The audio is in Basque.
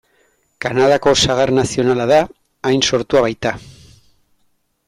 Kanadako sagar nazionala da, han sortua baita.